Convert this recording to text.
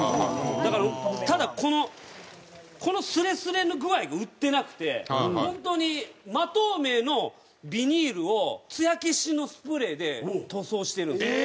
だからただこのこのスレスレ具合が売ってなくて本当に真透明のビニールを艶消しのスプレーで塗装してるんですよ。